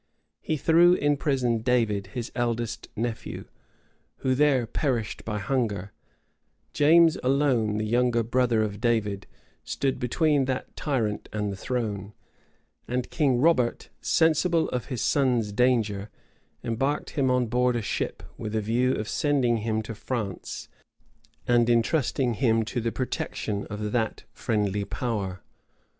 He threw in prison David, his eldest nephew; who there perished by hunger: James alone, the younger brother of David, stood between that tyrant and the throne; and King Robert, sensible of his son's danger, embarked him on board a ship, with a view of sending him to France, and intrusting him to the protection of that friendly power.